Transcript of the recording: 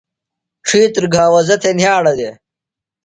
ڇِھیتر گھاوزہ تھےۡ نِھیاڑہ دےۡ۔